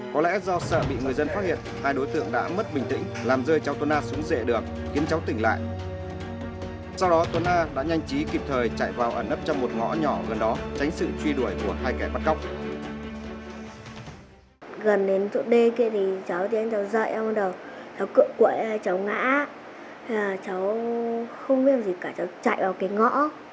chỗ đê kia thì cháu dậy cháu cựa quậy cháu ngã cháu không biết gì cả cháu chạy vào cái ngõ